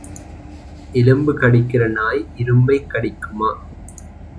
எலும்பு கடிக்கிற நாய் இரும்பைக் கடிக்குமா?